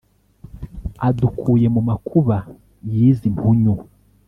adukuye mu makuba y'izi mpunyu